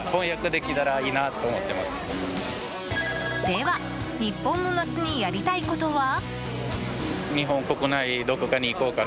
では日本の夏にやりたいことは？